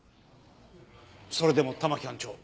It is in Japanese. それでも玉城班長。